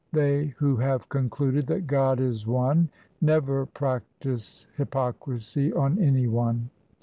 They who have concluded that God is one Never practise hypocrisy on any one.